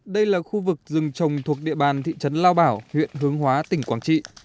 đây là khu vực rừng trồng thuộc địa bàn thị trấn lao bảo huyện hướng hóa tỉnh quảng trị